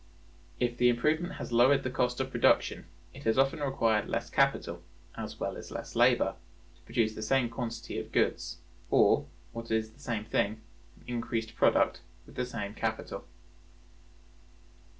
If the improvement has lowered the cost of production, it has often required less capital (as well as less labor) to produce the same quantity of goods; or, what is the same thing, an increased product with the same capital.